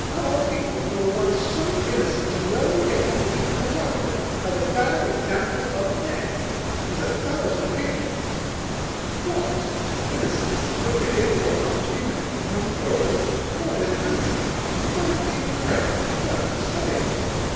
'Our people, who were once so innocent and well behaved, have been corrupted by the bad examples of men. It is a thousand pities.' 'What! innocence and good behaviour are not to be met with among birds, nor in the country! My dear friend, what are you saying?